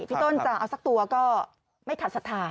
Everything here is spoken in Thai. พี่ต้นจะเอาสักตัวก็ไม่ขัดศรัทธา